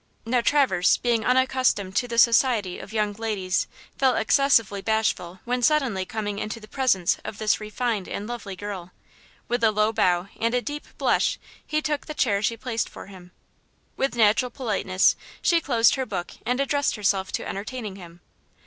Now, Traverse, being unaccustomed to the society of young ladies, felt excessively bashful when suddenly coming into the presence of this refined and lovely girl. With a low bow and a deep blush he took the chair she placed for him. With natural politeness she closed her book and addressed herself to entertaining him.